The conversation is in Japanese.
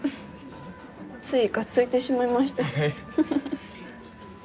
ついがっついてしまいました。